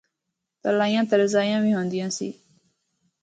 تلائیاں تے رضائیاں وی ہوندیاں سی۔